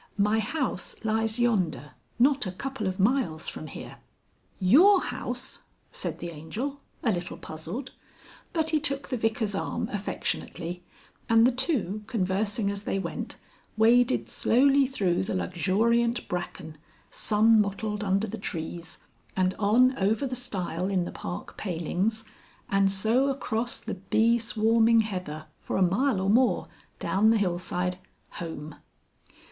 My house lies yonder not a couple of miles from here." "Your House!" said the Angel a little puzzled; but he took the Vicar's arm affectionately, and the two, conversing as they went, waded slowly through the luxuriant bracken, sun mottled under the trees, and on over the stile in the park palings, and so across the bee swarming heather for a mile or more, down the hillside, home.